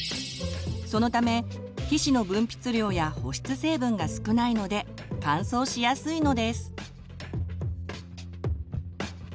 そのため皮脂の分泌量や保湿成分が少ないので乾燥しやすいのです。